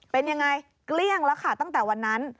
เป็นยังไงเกลี้ยงแล้วค่ะตั้งแต่วันนั้น